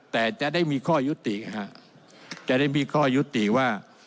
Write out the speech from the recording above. แต่จะได้มีข้อยุติจะได้มีข้อยุติว่า